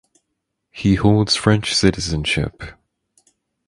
He holds French citizenship.